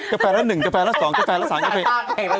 กาแฟละหนึ่งกาแฟละสองกาแฟละสามกาแฟละสี่